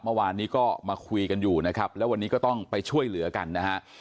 เมื่อวานนี้ก็มาคุยกันอยู่นะครับแล้ววันนี้ก็ต้องไปช่วยเหลือกันนะฮะ